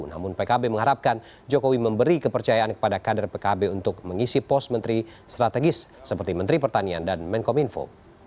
namun pkb mengharapkan jokowi memberi kepercayaan kepada kader pkb untuk mengisi pos menteri strategis seperti menteri pertanian dan menkominfo